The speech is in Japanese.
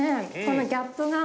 このギャップが。